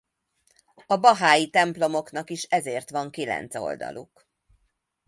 A bahái templomoknak is ezért van kilenc oldaluk.